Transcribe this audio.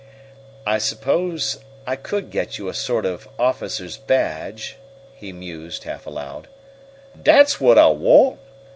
"I suppose I could get you a sort of officer's badge," he mused, half aloud. "Dat's whut I want!"